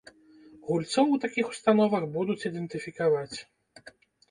Гульцоў у такіх установах будуць ідэнтыфікаваць.